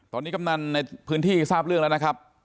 ตอนนี้กำนันในพื้นที่ทราบเรื่องแล้วนะครับ